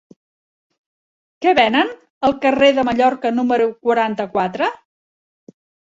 Què venen al carrer de Mallorca número quaranta-quatre?